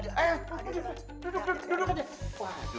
duduk duduk duduk